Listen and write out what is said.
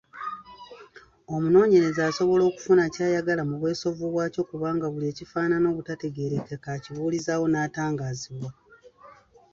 Omunoonyereza asobla okufuna ky’ayagala mu bwesovvu bwakyo kubanga buli ekifaanana obutategeerekeka akibuulizaawo n’atangaazibwa.